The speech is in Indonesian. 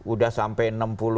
udah sampai enam puluh